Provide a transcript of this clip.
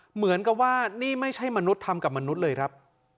เหมือนกับว่านี่ไม่ใช่มนุษย์ทำกับมนุษย์เลยครับ